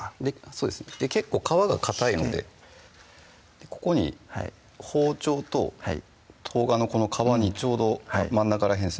そうです結構皮がかたいのでここに包丁と冬瓜のこの皮にちょうど真ん中ら辺ですね